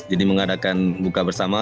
jadi mengadakan buka bersama